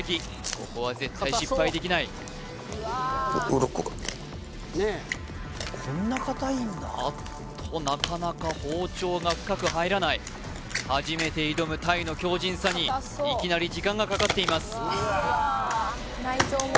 ここは絶対失敗できないウロコがあっとなかなか包丁が深く入らない初めて挑む鯛の強靱さにいきなり時間がかかっています